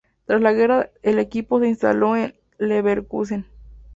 Tras la guerra el equipo se instaló en Leverkusen.